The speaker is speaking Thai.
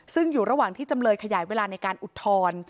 ซึ่งอยู่ระหว่างที่จำเลยขยายเวลาในการอุทธรณ์